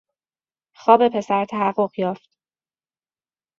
خواب پسر تحقق یافت.